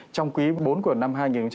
trong quý bốn của năm hai nghìn một mươi tám